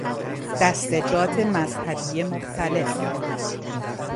دستجات مذهبی مختلف